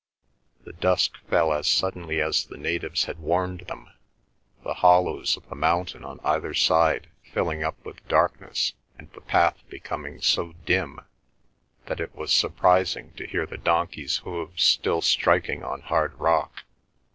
The dusk fell as suddenly as the natives had warned them, the hollows of the mountain on either side filling up with darkness and the path becoming so dim that it was surprising to hear the donkeys' hooves still striking on hard rock.